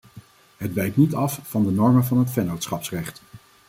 Het wijkt niet af van de normen van het vennootschapsrecht.